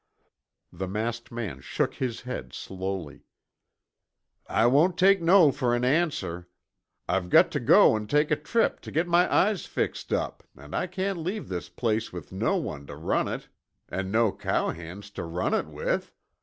The masked man shook his head slowly. "I won't take 'no' fer an answer. I've got tuh go an' take a trip tuh git my eyes fixed up an' I cain't leave this place with no one tuh run it an' no cowhands tuh run it with.